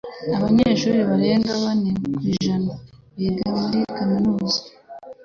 Abanyeshuri barenga kane ku ijana biga muri kaminuza.